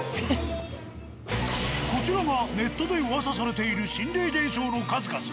こちらがネットで噂されている心霊現象の数々。